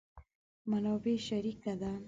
منابع شریکه ده.